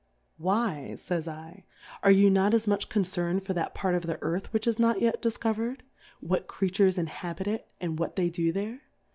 Why, faysl^ Are you not as much con cern'd for that part of the Earth which IS not yet difcover'd ? What Creatures inhabit it, and what they do there